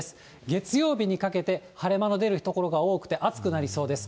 月曜日にかけて、晴れ間の出る所が多くて、暑くなりそうです。